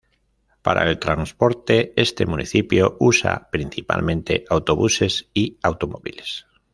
Para el transporte, este municipio usa principalmente autobuses y automóviles.